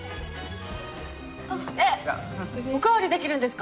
おかわりできるんですか？